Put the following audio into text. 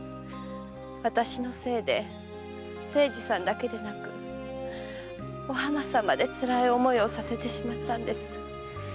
私のせいで清次さんだけでなくお浜さんまでつらい思いをさせてしまったんです。